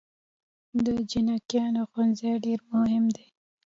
د جینکو ښوونځي ډیر مهم دی